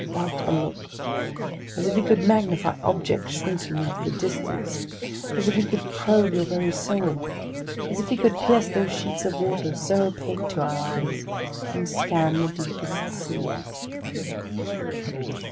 What a look—as if he could magnify objects shrinking into the distance; as if he could probe your very soul; as if he could pierce those sheets of water so opaque to our eyes and scan the deepest seas